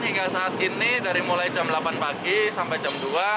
hingga saat ini dari mulai jam delapan pagi sampai jam dua